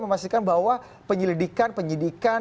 memastikan bahwa penyelidikan penyidikan